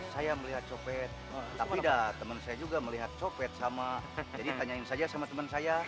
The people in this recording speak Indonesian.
saya melihat copet tapi dah temen saya juga melihat copet sama jadi tanyain saja sama teman saya